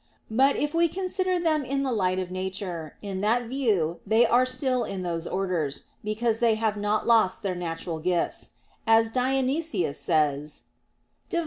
But if we consider them in the light of nature, in that view they are still in those orders; because they have not lost their natural gifts; as Dionysius says (Div.